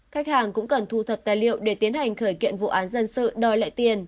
khách hàng cũng cần thu thập tài liệu để tiến hành khởi kiện vụ án dân sự đòi lại tiền